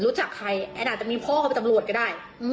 รู้จักใครแอนอาจจะมีพ่อเขาเป็นตำรวจก็ได้